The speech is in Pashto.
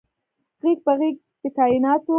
غیږ په غیږ د کائیناتو